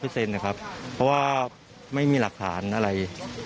เพราะว่าไม่มีหลักฐานอะไร